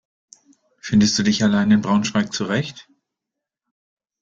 Findest du dich allein in Braunschweig zurecht?